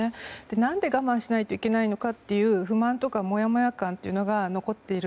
何で我慢しないといけないのかという不満とか、もやもや感というのが残っている。